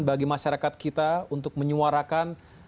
bagi masyarakat kita untuk menyuarakan